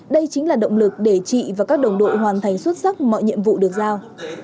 đây chính là động lực để chị và các đồng đội hoàn thành xuất sắc mọi nhiệm vụ được giao